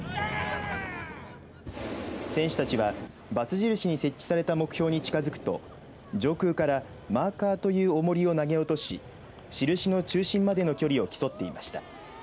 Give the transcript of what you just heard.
選手たちはバツ印に設置された目標に近づくと上空からマーカーというおもりを投げ落とし印の中心までの距離を競っていました。